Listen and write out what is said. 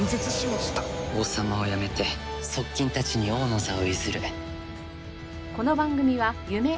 王様をやめて側近たちに王の座を譲る。